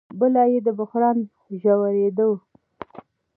بله یې د بحران د ژورېدو